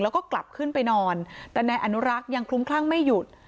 แล้วก็กลับขึ้นไปนอนแต่นายอนุรักษ์ยังคลุ้มคลั่งไม่หยุด